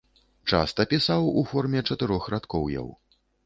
Часта пісаў у форме чатырохрадкоўяў.